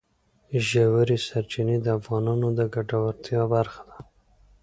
ژورې سرچینې د افغانانو د ګټورتیا برخه ده.